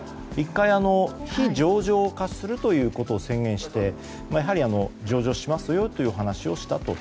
１回、非上場化するということを宣言してやはり上場しますよという話をしたと。